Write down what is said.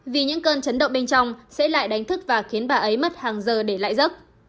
vì những cơn chấn động bên trong sẽ lại đánh thức và khiến bà ấy mất hàng giờ để lại giấc